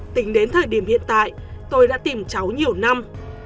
tính đến thời điểm hiện tại tôi đã tìm cháu nhiều năm